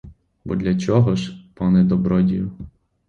Бо для чого ж, пане добродію?